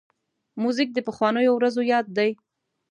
موزیک د پخوانیو ورځو یاد دی.